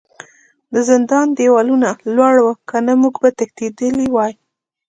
د زندان دیوالونه لوړ ول کنه موږ به تښتیدلي وای